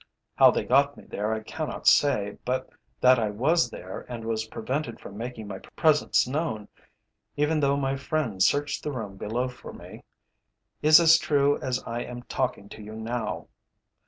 How they got me there I cannot say, but that I was there and was prevented from making my presence known, even though my friends searched the room below for me, is as true as I am talking to you now.